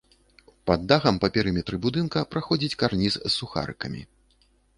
Пад дахам па перыметры будынка праходзіць карніз з сухарыкамі.